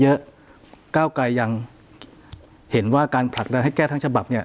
เยอะก้าวกายยังเห็นว่าการผลักระให้แก้ทั้งฉบับเนี้ย